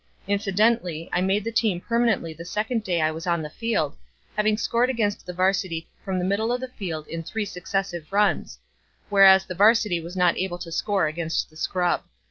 Incidentally I made the team permanently the second day I was on the field, having scored against the varsity from the middle of the field in three successive runs; whereas the varsity was not able to score against the scrub.